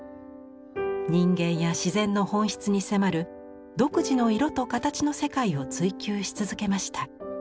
人間や自然の本質に迫る独自の色と形の世界を追求し続けました。